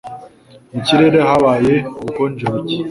Mu kirere habaye ubukonje buke.